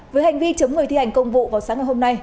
với hành vi chống người thi hành công vụ vào sáng ngày hôm nay